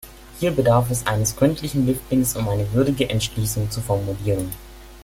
Hier bedarf es eines gründlichen Liftings, um eine würdige Entschließung zu formulieren.